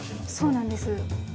そうなんです。